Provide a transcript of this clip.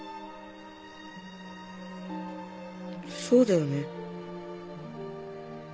そうだよね